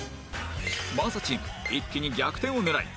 真麻チーム一気に逆転を狙い